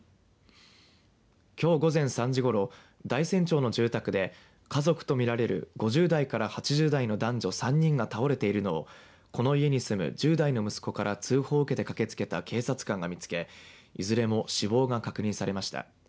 きょう午前３時ごろ大山町の住宅で家族と見られる５０代から８０代の男女３人が倒れているのをこの家に住む１０代の息子から通報を受けて駆けつけた警察官が見つけいずれも死亡が確認されました。